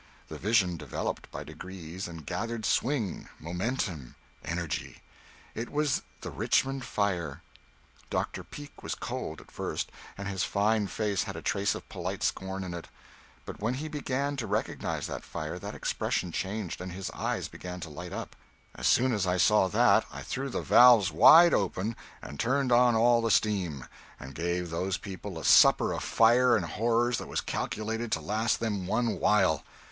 The vision developed, by degrees, and gathered swing, momentum, energy. It was the Richmond fire. Dr. Peake was cold, at first, and his fine face had a trace of polite scorn in it; but when he began to recognize that fire, that expression changed, and his eyes began to light up. As soon as I saw that, I threw the valves wide open and turned on all the steam, and gave those people a supper of fire and horrors that was calculated to last them one while!